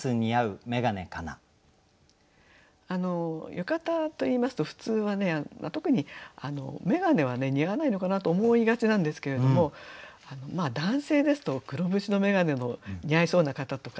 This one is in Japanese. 浴衣といいますと普通はね特に眼鏡はね似合わないのかなと思いがちなんですけれども男性ですと黒縁の眼鏡の似合いそうな方とかね